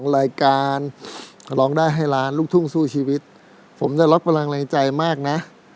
รายการร้องได้ให้ล้านลูกทุ่งสู้ชีวิตผมได้รับพลังในใจมากนะ